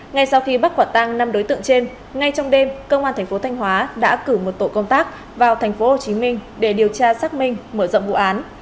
ngay sau khi bắt quả tăng năm đối tượng trên ngay trong đêm công an tp thanh hóa đã cử một tổ công tác vào tp hcm để điều tra xác minh mở rộng vụ án